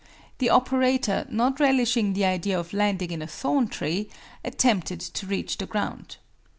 The operator, not relishing the idea of landing in a thorn tree, attempted to reach the ground.